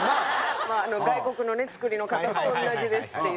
外国のねつくりの方と同じですっていう。